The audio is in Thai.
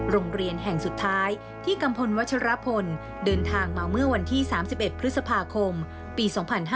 โรงเรียนแห่งสุดท้ายที่กัมพลวัชรพลเดินทางมาเมื่อวันที่๓๑พฤษภาคมปี๒๕๕๙